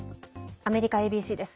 アメリカＡＢＣです。